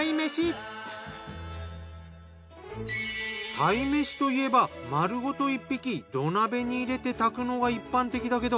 鯛めしといえば丸ごと１匹土鍋に入れて炊くのが一般的だけど